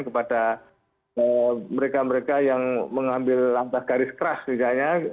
kepada mereka mereka yang mengambil lantai garis keras sejajarnya